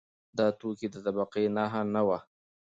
دا توکی د طبقې نښه نه وه.